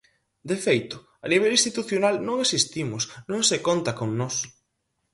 De feito, a nivel institucional non existimos, non se conta con nós.